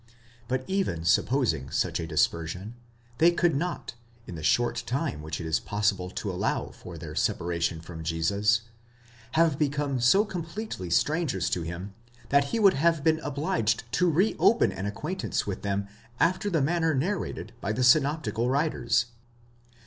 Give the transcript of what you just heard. But even supposing such a dispersion, they could not, in the short time which it is possible to allow for their separation from Jesus, have become so completely strangers to him, that he would have been obliged to re open an acquaintance with them after the manner narrated by the synoptical writers.